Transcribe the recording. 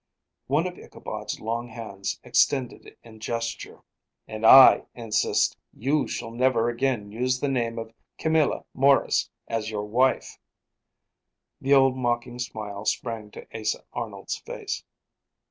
One of Ichabod's long hands extended in gesture. "And I insist you shall never again use the name of Camilla Maurice as your wife." The old mocking smile sprang to Asa Arnold's face.